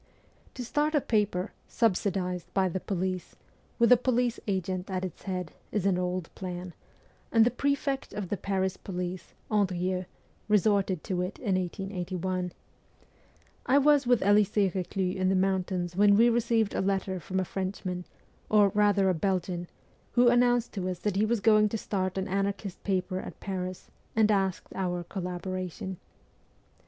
To start a paper, subsidized by the police, with a police agent at its head, is an old plan, and the prefect of the Paris police, Andrieux, resorted to it in 1881. I was with Elisee Reclus in the mountains when we received a letter from a Frenchman, or rather a Belgian, who announced to us that he was going , to start an anarchist paper at Paris and asked our collaboration.